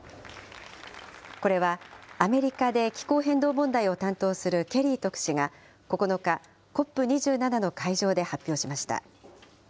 これはアメリカで気候変動問題を担当するケリー特使が９日、ＣＯＰ２７の会場で発表しました。